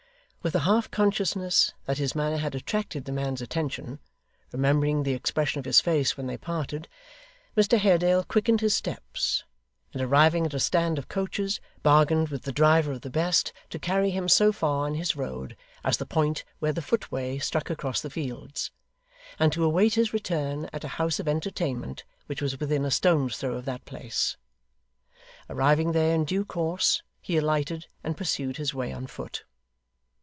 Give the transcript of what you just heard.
With a half consciousness that his manner had attracted the man's attention (remembering the expression of his face when they parted), Mr Haredale quickened his steps; and arriving at a stand of coaches, bargained with the driver of the best to carry him so far on his road as the point where the footway struck across the fields, and to await his return at a house of entertainment which was within a stone's throw of that place. Arriving there in due course, he alighted and pursued his way on foot.